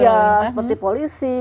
ya seperti polisi